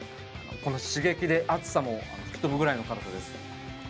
この刺激で暑さも吹き飛ぶぐらいの辛さです。